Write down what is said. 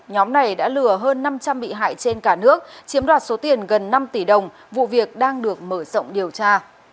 nhóm này đã lừa hơn năm trăm linh bị hại trên cả nước chiếm đoạt số tiền gần năm tỷ đồng vụ việc đang được mở rộng điều tra